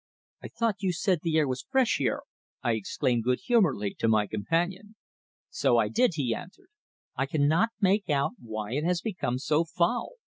"I thought you said the air was fresh here," I exclaimed good humouredly to my companion. "So I did," he answered. "I cannot make out why it has become so foul.